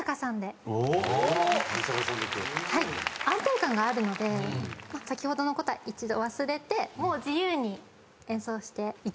安定感があるので先ほどのことは一度忘れて自由に演奏して勢いをつけて。